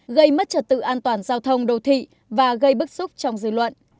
gây mất trật tự an toàn giao thông đô thị và gây bức xúc trong dư luận